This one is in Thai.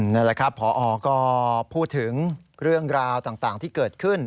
นั่นแหละครับพอก็พูดถึงเรื่องราวต่างที่เกิดขึ้น